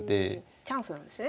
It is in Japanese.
チャンスなんですね。